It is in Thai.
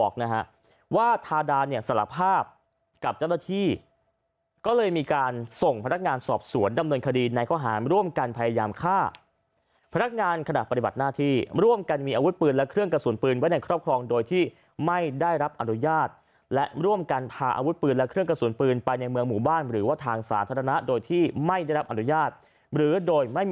นะฮะว่าทาดาเนี่ยสารภาพกับเจ้าหน้าที่ก็เลยมีการส่งพนักงานสอบสวนดำเนินคดีในข้อหารร่วมกันพยายามฆ่าพนักงานขณะปฏิบัติหน้าที่ร่วมกันมีอาวุธปืนและเครื่องกระสุนปืนไว้ในครอบครองโดยที่ไม่ได้รับอนุญาตและร่วมกันพาอาวุธปืนและเครื่องกระสุนปืนไปในเมืองหมู่บ้านหรือว่าทางสาธารณะโดยที่ไม่ได้รับอนุญาตหรือโดยไม่มี